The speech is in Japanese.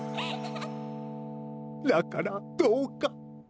だからどうか。